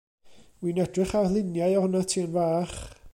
Wi'n edrych ar luniau ohonat ti yn fach.